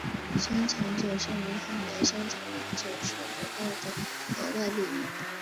生产者剩余衡量生产者所得到的额外利益。